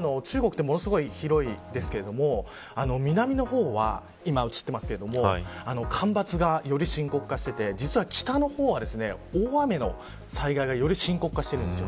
実は中国ってものすごく広いですけど南の方は、今映っていますけど干ばつがより深刻化していて実は北の方は大雨の災害がより深刻化しています。